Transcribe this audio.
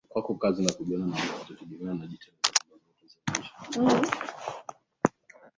kuingia ndani ya eneo la Jamhuri ya Kidemokrasia ya Kongo ya leo